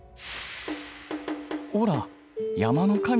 おら山の神。